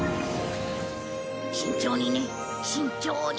慎重にね慎重に。